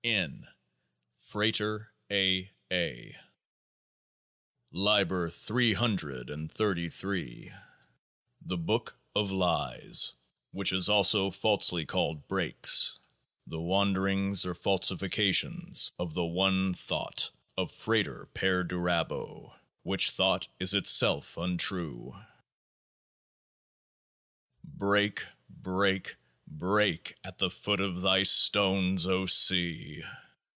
N. Fra.\ A. . A. . LIBER CCCXXXIII THE BOOK OF LIES WHICH IS ALSO FALSELY CALLED BREAKS THE WANDERINGS OR FALSIFICA TIONS OF THE ONE THOUGHT OF FRATER PERDURABO WHICH THOUGHT IS ITSELF UNTRUE " Break, break, break At the foot of thy stones, O Sea